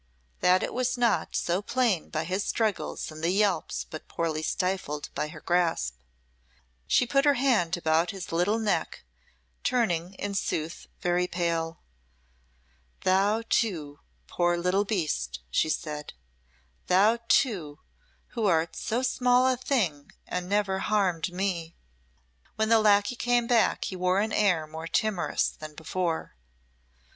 That it was not so was plain by his struggles and the yelps but poorly stifled by her grasp. She put her hand about his little neck, turning, in sooth, very pale. "Thou too, poor little beast," she said. "Thou too, who art so small a thing and never harmed me." When the lacquey came back he wore an air more timorous than before.